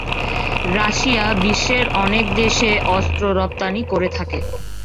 Russia বিশ্বের অনেক দেশে অস্ত্র রপ্তানি করে থাকে।